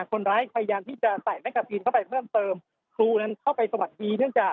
พยายามที่จะใส่แมกกาซีนเข้าไปเพิ่มเติมครูนั้นเข้าไปสวัสดีเนื่องจาก